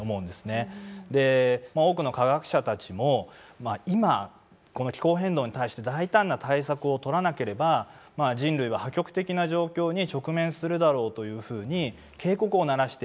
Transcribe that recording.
多くの科学者たちも今この気候変動に対して大胆な対策を取らなければ人類は破局的な状況に直面するだろうというふうに警告を鳴らしている。